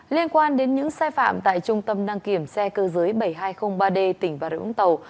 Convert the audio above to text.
liên quan đến những sai phạm tại trung tâm năng kiểm xe cơ giới bảy nghìn hai trăm linh ba d tỉnh và rợi úng tàu